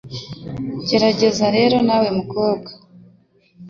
Gerageza rero nawe mukobwa,